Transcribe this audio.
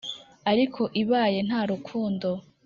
ariko ibaye nta rukundo